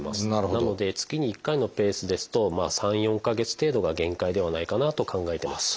なので月に１回のペースですと３４か月程度が限界ではないかなと考えてます。